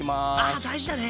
あ大事だね。